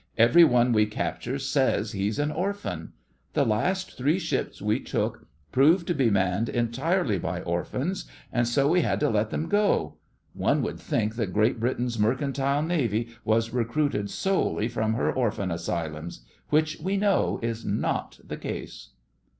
Every one we capture says he's an orphan. The last three ships we took proved to be manned entirely by orphans, and so we had to let them go. One would think that Great Britain's mercantile navy was recruited solely from her orphan asylums — which we know is not the case.